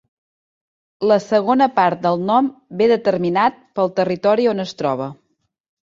La segona part del nom ve determinat pel territori on es troba.